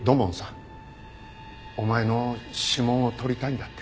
お前の指紋を採りたいんだって。